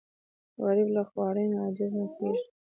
غریب له خوارۍ نه عاجز نه کېږي